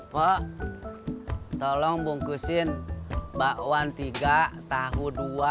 pak tolong bungkusin bakwan tiga tahu dua